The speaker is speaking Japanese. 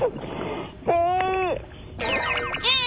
え？